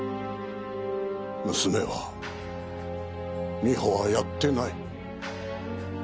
娘は美穂はやってない。